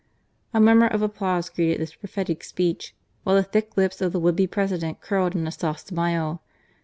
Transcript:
" A murmur of applause greeted this prophetic speech, while the thick lips of the would be presi dent curled in a soft smile.